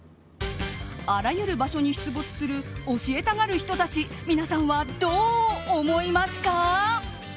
あらゆる場所に出没する教えたがる人たち皆さんはどう思いますか？